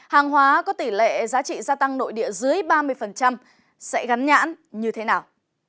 hàng hóa có tỷ lệ giá trị gia tăng nội địa dưới ba mươi sẽ gắn nhãn như thế nào